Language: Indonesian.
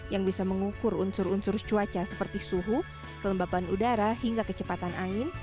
yang bisa mengukur unsur unsur cuaca seperti suhu kelembaban udara hingga kecepatan angin